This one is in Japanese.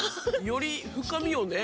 より深みをね。